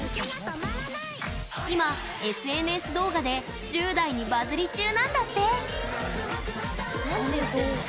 今、ＳＮＳ動画で１０代にバズり中なんだって！